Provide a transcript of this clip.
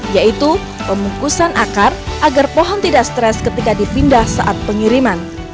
yaitu pemungkusan akar agar pohon tidak stres ketika dipindah saat pengiriman